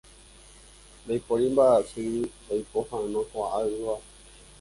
Ndaipóri mbaʼasy oipohãnokuaaʼỹva.